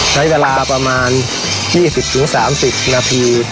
ใช้เวลาประมาณ๒๐๓๐นาที